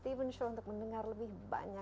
bagaimana dunia tersebut terlihat bagi anda